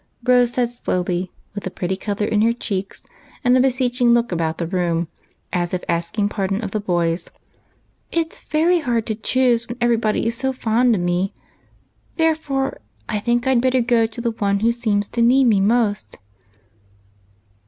Rose said slowly, with a pretty color in her cheeks, and a beseeching look about the room, as if asking pardon of the boys, —" It 's very hard to choose when everybody is so fond of me ; therefore I think I 'd better go to the one who seems to need me most."